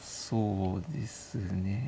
そうですね。